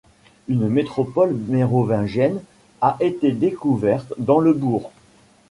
Une nécropole mérovingienne a été découverte dans le bourg.